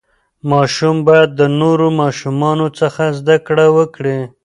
ماشوم باید د نورو ماشومانو څخه زده کړه وکړي.